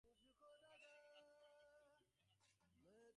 সেকালে অন্য রাজপুত্রেরা যেমন বড়ো বড়ো চুল রাখিতেন ইঁহার তেমন ছিল না।